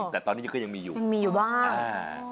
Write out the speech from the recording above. แต่ตอนนี้ก็ยังมีอยู่ยังมีอยู่บ้าง